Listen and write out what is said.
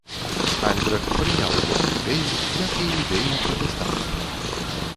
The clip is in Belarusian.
Альбрэхт прыняў гэту ідэю, як і ідэю пратэстанцтва.